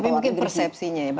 tapi mungkin persepsinya ya